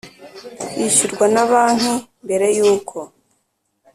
kwishyurwa na banki mbere y uko